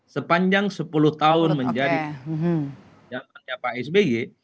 sepanjang sepuluh tahun menjadi zamannya pak sby